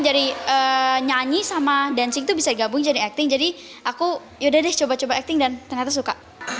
dari nyanyi sama dancing tuh bisa gabung jadi acting jadi aku yaudah deh coba coba acting dan ternyata suka